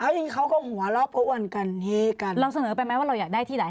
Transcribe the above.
จริงเขาก็หัวรอบอ้วนกันเฮกันเราเสนอไปไหมว่าเราอยากได้ที่ไหน